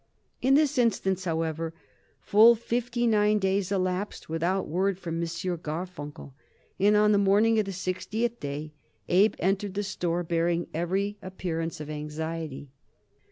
In this instance, however, full fifty nine days elapsed without word from M. Garfunkel, and on the morning of the sixtieth day Abe entered the store bearing every appearance of anxiety.